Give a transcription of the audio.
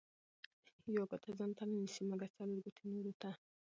ـ يوه ګوته ځانته نه نيسي، مګر څلور ګوتې نورو ته.